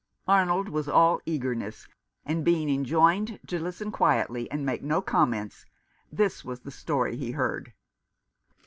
Arnold was all eagerness, and being enjoined to listen quietly, and make no comments, this was the story he heard.